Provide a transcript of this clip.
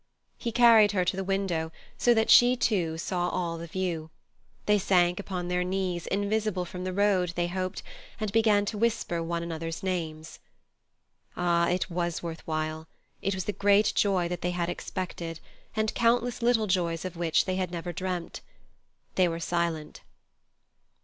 He carried her to the window, so that she, too, saw all the view. They sank upon their knees, invisible from the road, they hoped, and began to whisper one another's names. Ah! it was worth while; it was the great joy that they had expected, and countless little joys of which they had never dreamt. They were silent.